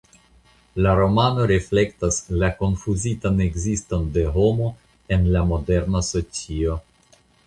La romano reflektas la konfuzitan ekziston de homo en la moderna socio.